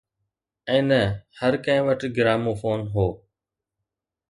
۽ نه هر ڪنهن وٽ گراموفون هو.